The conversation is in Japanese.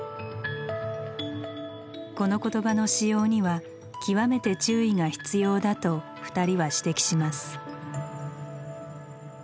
この言葉の使用には極めて注意が必要だと２人は指摘します。